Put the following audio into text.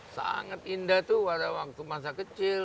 sangat indah tuh pada waktu masa kecil